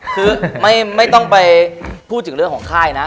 คือไม่ต้องไปพูดถึงเรื่องของค่ายนะ